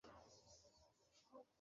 মূলত এটা ফ্রীজকে ওভেনে রূপান্তর করে।